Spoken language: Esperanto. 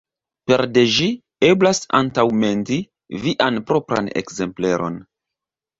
Pere de ĝi, eblas antaŭmendi vian propran ekzempleron.